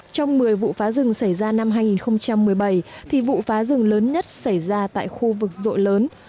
trong một mươi vụ phá rừng xảy ra năm hai nghìn một mươi bảy thì vụ phá rừng lớn nhất xảy ra tại khu vực rộ lớn